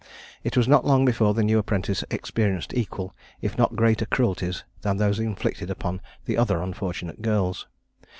It was not long before the new apprentice experienced equal if not greater cruelties than those inflicted upon the other unfortunate girls.